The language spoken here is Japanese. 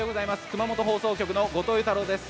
熊本放送局の後藤佑太郎です。